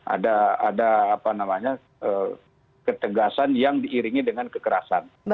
ada ketegasan yang diiringi dengan kekerasan